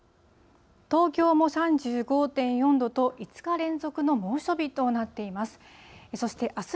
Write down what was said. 東京も３５．４度と、５日連続の猛暑日となっています。